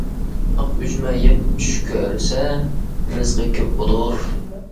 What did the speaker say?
ئاق ئۈجمە يەپ چۈش كۆرسە رىزقى كۆپ بولۇر.